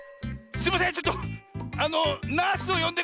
すいません